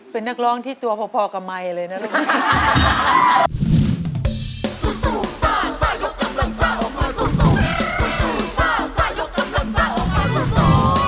เป็นนักร้องที่ตัวพอกับไมค์เลยนะลูก